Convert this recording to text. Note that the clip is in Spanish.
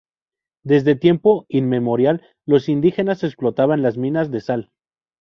Desde tiempo inmemorial, los indígenas explotaban las minas de sal.